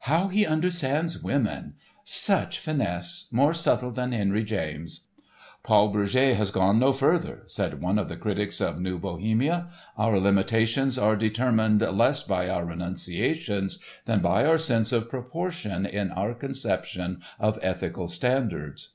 "How he understands women!" "Such finesse! More subtle than Henry James." "Paul Bourget has gone no further," said one of the critics of New Bohemia; "our limitations are determined less by our renunciations than by our sense of proportion in our conception of ethical standards."